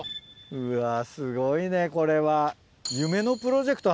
うわすごいねこれは。